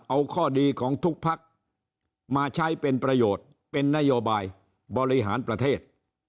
เอาข้อดีของทุกพักมาใช้เป็นประโยชน์เป็นนโยบายบริหารประเทศ